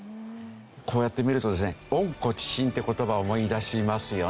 こうやって見るとですね温故知新って言葉を思い出しますよね。